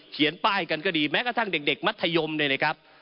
ป้ายกันก็ดีแม้กระทั่งเด็กมัธยมเลยนะครับ